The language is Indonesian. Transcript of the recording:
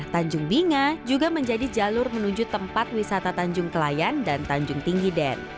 kami mencari jalan yang menuju tempat wisata tanjung kelayan dan tanjung tinggi den